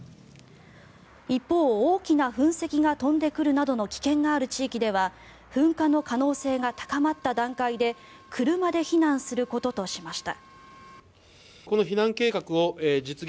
一方、大きな噴石が飛んでくるなどの危険がある地域では噴火の可能性が高まった段階で車で避難することとしました。